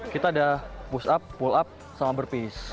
kita ada push up pull up sama berpace